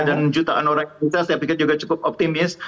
dan jutaan orang kita saya pikir juga cukup optimis